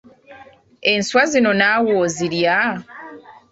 Enswa zino naawe ozirya?